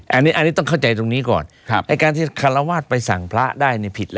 อันนี้ต้องเข้าใจตรงนี้ก่อนการที่ฮ่าระวาดไปสั่งพระได้นี่ผิดล่ะ